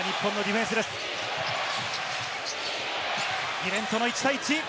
ギレントの１対１。